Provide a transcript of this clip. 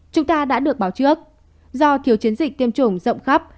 chúng ta đã được báo trước do thiếu chiến dịch tiêm chủng rộng khắp